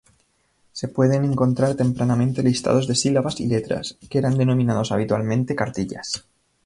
Se pueden encontrar tempranamente listados de sílabas y letras, que eran denominados habitualmente ""cartillas"".